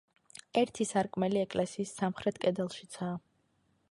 ერთი სარკმელი ეკლესიის სამხრეთ კედელშიცაა.